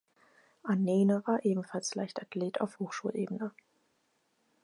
Anene war ebenfalls Leichtathlet auf Hochschulebene.